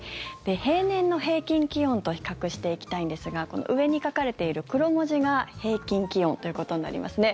平年の平均気温と比較していきたいんですが上に書かれている黒文字が平均気温ということになりますね。